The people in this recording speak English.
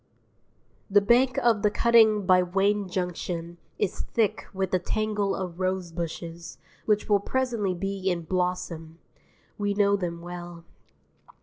The bank of the cutting by Wayne Junction is thick with a tangle of rosebushes which will presently be in blossom; we know them well.